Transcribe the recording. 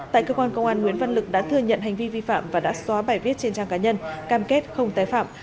tại cơ quan công an nguyễn văn lực đã thừa nhận hành vi vi phạm và đã xóa bài viết trên trang cá nhân cam kết không tái phạm